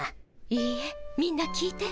いいえみんな聞いて。